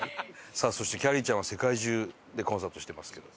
さあそしてきゃりーちゃんは世界中でコンサートしてますけど。